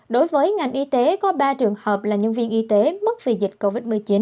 đối với ngành y tế có ba trường hợp là nhân viên y tế mất vì dịch covid một mươi chín